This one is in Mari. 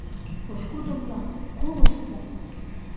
— Пошкудо-влак, колыштса!